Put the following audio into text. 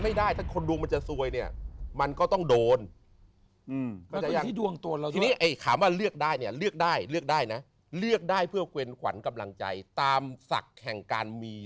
ไม่ได้ถ้าคนดวงจะซวยเนี่ยมันก็ต้องโดนพอจะมี